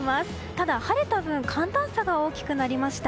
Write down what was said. ただ、晴れた分寒暖差が大きくなりました。